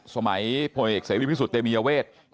สมัยพเอกเสวีพิสุทธิ์เตมียเวท